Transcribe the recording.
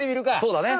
そうだね。